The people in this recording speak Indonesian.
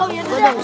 oh ya sudah